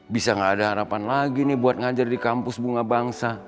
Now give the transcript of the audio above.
bisa gak ada harapan lagi nih buat ngajar di kampus bunga bangsa